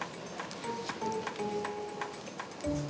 kita udah sama ga keten